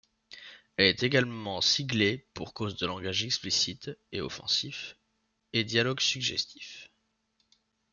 Elle est également siglée pour causes de langages explicites et offensifs et dialogues suggestifs.